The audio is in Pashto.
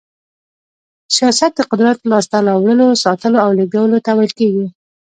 سياست د قدرت لاسته راوړلو، ساتلو او لېږدولو ته ويل کېږي.